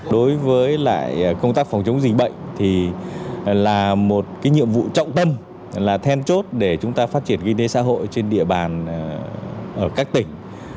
đối với lại công tác phòng chống dịch bệnh thì là một nhiệm vụ trọng tâm là then chốt để chúng ta phát triển kinh tế xã hội trên địa bàn ở các tỉnh